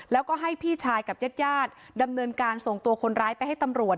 แล้วก็ให้พี่ชายกับญาติญาติดำเนินการส่งตัวคนร้ายไปให้ตำรวจ